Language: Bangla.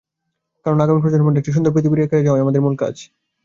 কারণ আগামী প্রজন্মের জন্য একটি সুন্দর পৃথিবী রেখে যাওয়াটাই আমাদের মূল কাজ।